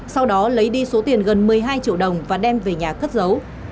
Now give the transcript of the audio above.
sau đó lấy đi số tiền gần một mươi hai triệu đồng và đem về nhà cất giấu